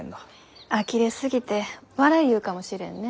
あきれすぎて笑いゆうかもしれんね。